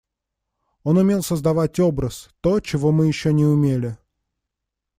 Он умел создавать образ, то, чего мы еще не умели.